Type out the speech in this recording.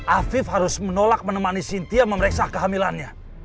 afif harus menolak menemani sintia memeriksa kehamilannya